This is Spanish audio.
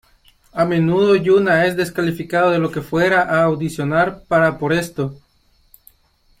A menudo Yuna es descalificado de lo que fuera a audicionar para por esto.